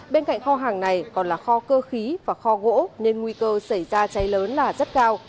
bên cạnh kho hàng này còn là kho cơ khí và kho gỗ nên nguy cơ xảy ra cháy lớn là rất cao